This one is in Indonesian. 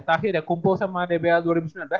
tahiadakumpo sama dbl dua ribu sembilan belas ya allstar ya